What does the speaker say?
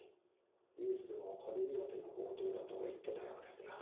ニュースでは金目当ての強盗だと言ってたようですが。